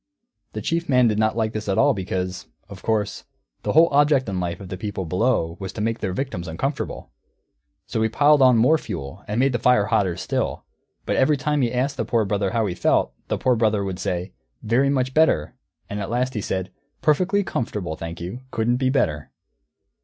The Chief Man did not like this at all, because, of course, the whole object in life of the people Below was to make their victims uncomfortable. So he piled on more fuel and made the fire hotter still. But every time he asked the Poor Brother how he felt, the Poor Brother would say, "Very much better"; and at last he said, "Perfectly comfortable, thank you; couldn't be better."